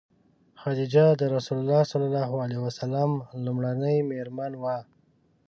خدیجه د رسول الله ﷺ لومړنۍ مېرمن وه.